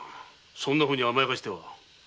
そんなふうに甘やかしては。